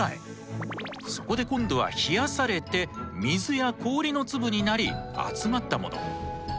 そこで今度は冷やされて水や氷の粒になり集まったもの。